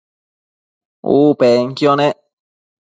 U penquio nec